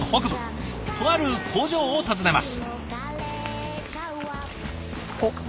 とある工場を訪ねます。